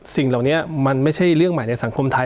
สิ่งเหล่านี้มันไม่ใช่เรื่องใหม่ในสังคมไทย